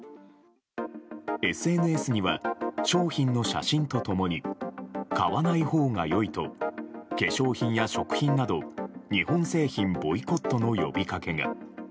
ＳＮＳには商品の写真と共に買わないほうが良いと化粧品や食品など日本製品ボイコットの呼びかけが。